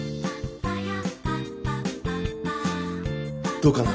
どうかな？